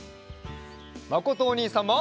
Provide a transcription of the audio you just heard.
まことおにいさんも！